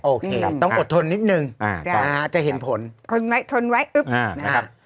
โอเคต้องอดทนนิดหนึ่งอ่าใช่อ่าจะเห็นผลคนไหนทนไว้อึ๊บอ่านะครับ